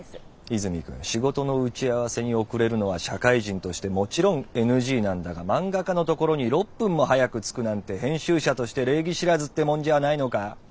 泉くん仕事の打ち合わせに遅れるのは社会人としてもちろんＮＧなんだが漫画家のところに「６分」も早く着くなんて編集者として礼儀知らずってもんじゃあないのかッ？